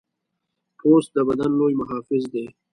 پوست د بدن لوی محافظ دی.